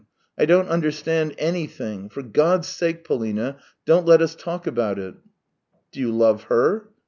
I don't under stand anything. For God's sake. Polina, don't let us talk about it !" Do you love her